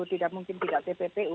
tidak mungkin tidak pppu